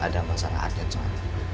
ada masalah adat soalnya